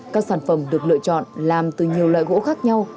các sản phẩm được lựa chọn làm từ nhiều loại gỗ khác nhau